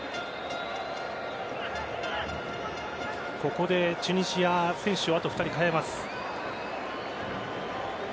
ここでチュニジア選手をあと２人代えます。